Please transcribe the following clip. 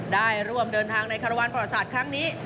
ได้ร่วมเดินทางในคารวรรณประวัติศาสตร์ครั้งนี้